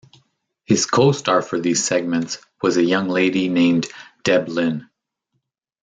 His co-star for these segments was a young lady named Deb-Lyn.